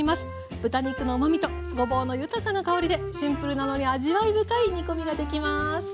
豚肉のうまみとごぼうの豊かな香りでシンプルなのに味わい深い煮込みができます。